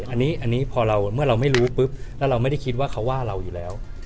อันนี้พอเราเมื่อเราไม่รู้ปุ๊บแล้วเราไม่ได้คิดว่าเขาว่าเราอยู่แล้ว